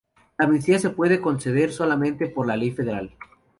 La amnistía se puede conceder solamente por ley federal.